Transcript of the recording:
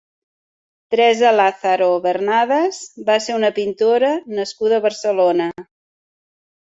Teresa Lázaro Bernadas va ser una pintora nascuda a Barcelona.